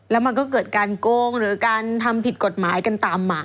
แล้วมันก็เกิดการโกงหรือการทำผิดกฎหมายกันตามหมาย